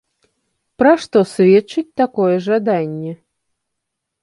Пра што сведчыць такое жаданне?